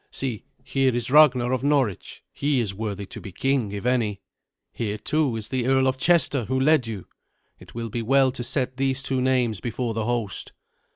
See, here is Ragnar of Norwich; he is worthy to be king, if any. Here, too, is the Earl of Chester, who led you. It will be well to set these two names before the host."